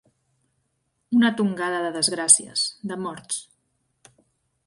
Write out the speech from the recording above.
Una tongada de desgràcies, de morts.